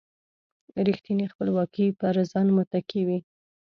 رېښتینې خپلواکي پر ځان متکي وي.